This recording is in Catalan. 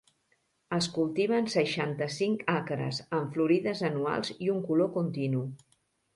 Es cultiven seixanta-cinc acres, amb florides anuals i un color continu.